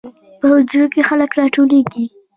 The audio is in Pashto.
په حجرو کې خلک راټولیږي.